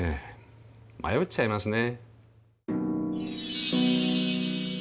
迷っちゃいますね。